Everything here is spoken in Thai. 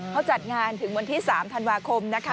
เขาจัดงานถึงวันที่๓ธันวาคมนะคะ